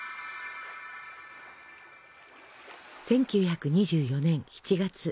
１９２４年７月。